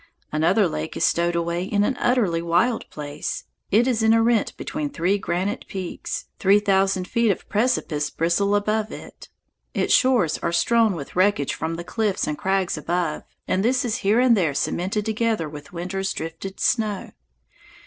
Another lake is stowed away in an utterly wild place. It is in a rent between three granite peaks. Three thousand feet of precipice bristle above it. Its shores are strewn with wreckage from the cliffs and crags above, and this is here and there cemented together with winter's drifted snow.